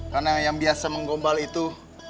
karena yang biasa menggombal itu